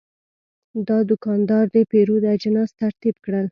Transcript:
دا دوکاندار د پیرود اجناس ترتیب کړل.